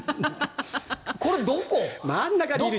これ、どこ？